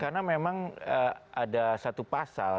karena memang ada satu pasal